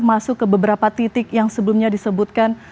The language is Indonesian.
masuk ke beberapa titik yang sebelumnya disebutkan